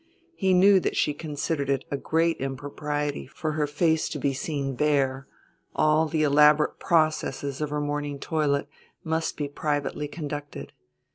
He knew that she considered it a great impropriety for her face to be seen bare; all the elaborate processes of her morning toilet must be privately conducted.